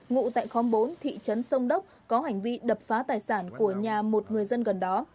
ngụ tại khóm bốn thị trấn sông đốc có hành vi đập phá tài sản của nhà một người dân gần đó